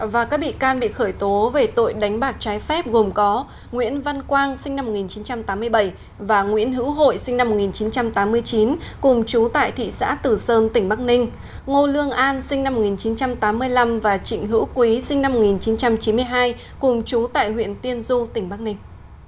và các bị can bị khởi tố về tội đánh bạc trái phép gồm có nguyễn văn quang sinh năm một nghìn chín trăm tám mươi bảy và nguyễn hữu hội sinh năm một nghìn chín trăm tám mươi chín cùng chú tại thị xã tử sơn tỉnh bắc ninh ngô lương an sinh năm một nghìn chín trăm tám mươi năm và trịnh hữu quý sinh năm một nghìn chín trăm chín mươi hai cùng chú tại huyện tiên du tỉnh bắc ninh